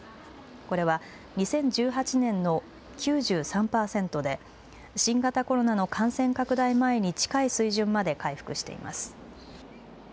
これは２０１８年の９３％で新型コロナの感染拡大前に近い水準まで回復しています。